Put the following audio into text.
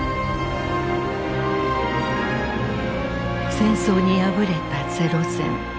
戦争に敗れた零戦。